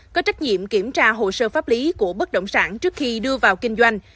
có trách nhiệm kiểm tra hồ sơ pháp lý của bất động sản trước khi đưa vào kinh doanh